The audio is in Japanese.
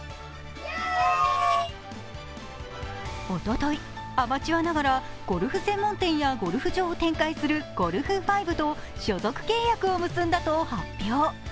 おととい、アマチュアながらゴルフ専門店やゴルフ場を展開するゴルフ５と所属契約を結んだと発表。